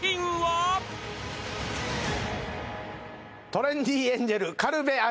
トレンディエンジェル軽部アナ。